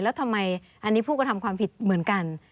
แล้วทำไมอันนี้ผู้กระทำความผิดเหมือนกัน